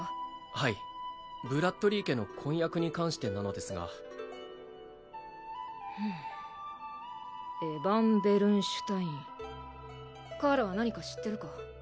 はいブラッドリィ家の婚約に関してなのですがふむエヴァン＝ベルンシュタインカーラは何か知ってるか？